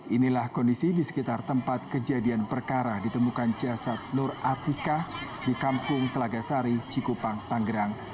inilah kondisi di sekitar tempat kejadian perkara ditemukan jasad nur atika di kampung telaga sari cikupang tanggerang